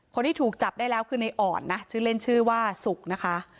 คนที่ถูกจับได้แล้วคือในอ่อนนะชื่อเล่นชื่อว่าสุกนะคะ